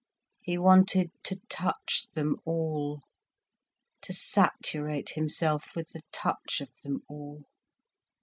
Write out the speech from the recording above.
He wanted to touch them all, to saturate himself with the touch of them all.